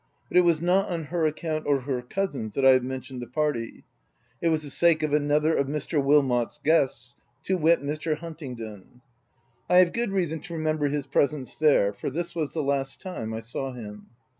But it was not on her account, or her cousin's, that I have mentioned the party : it was for the sake of another of Mr. Wilmot's guests, to wit Mr. Huntingdon, I have good reason to remember his presence there, for this was the last time I saw him.